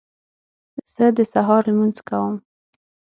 زه د سهار لمونځ کوم